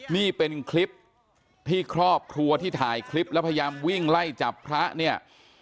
นี่เป็นคลิปที่ครอบครัวที่ถ่ายคลิปแล้วพยายามวิ่งไล่จับพระเนี่ย